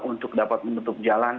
untuk dapat menutup jalan